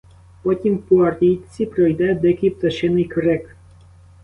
Потім по річці пройде дикий пташиний крик.